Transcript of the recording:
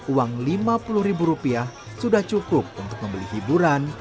uang lima puluh ribu rupiah sudah cukup untuk membeli hiburan